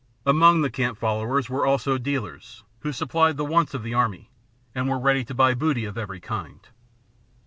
Among the camp followers were also dealers, who supplied the wants of the army, and were ready to buy booty of every kind.